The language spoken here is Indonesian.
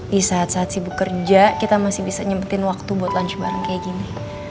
di saat saat sibuk kerja kita masih bisa nyempetin waktu buat lunch bareng kayak gini